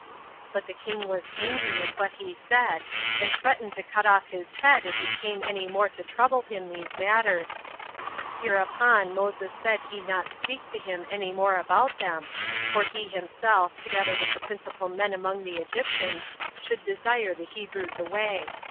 But the king angry at what he said, and threatened to cut off his head if he came any more to trouble him these matters. Hereupon Moses said he not speak to him any more about them, for he himself, together with the principal men among the Egyptians, should desire the Hebrews away. So when Moses had said this, he his way.